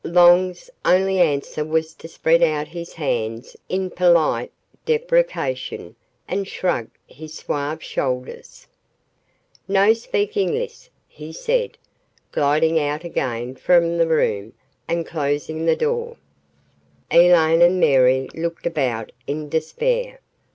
Long's only answer was to spread out his hands in polite deprecation and shrug his suave shoulders. "No speke Englis," he said, gliding out again from the room and closing the door. Elaine and Mary looked about in despair.